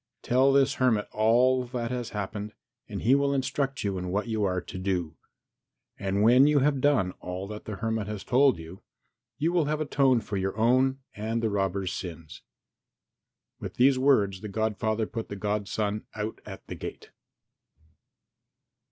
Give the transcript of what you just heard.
Tell this hermit all that has happened and he will instruct you in what you are to do. When you have done all that the hermit has told you, you will have atoned for your own and the robber's sins." With these words the godfather put the godson out at the gate.